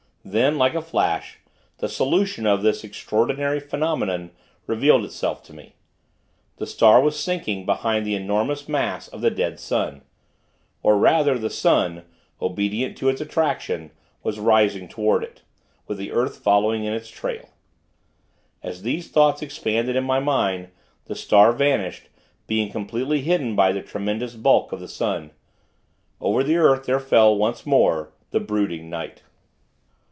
Then, like a flash, the solution of this extraordinary phenomenon revealed itself to me. The star was sinking behind the enormous mass of the dead sun. Or rather, the sun obedient to its attraction was rising toward it, with the earth following in its trail. As these thoughts expanded in my mind, the star vanished; being completely hidden by the tremendous bulk of the sun. Over the earth there fell, once more, the brooding night.